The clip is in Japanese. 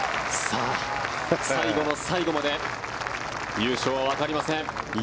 最後の最後まで優勝はわかりません。